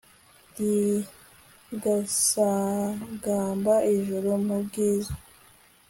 rigasagamba ijuru mu bwiza